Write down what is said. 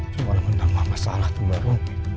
cuma lemah lemar masalah tuh baru